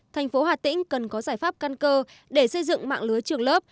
thành phố hà tĩnh cần có giải pháp căn cơ để xây dựng mạng lưới trường lớp